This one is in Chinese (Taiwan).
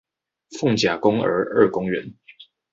鳳甲公兒二公園